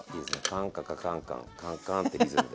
カンカカカンカンカンカンってリズムで。